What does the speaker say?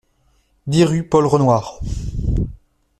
dix rue Paul Renouard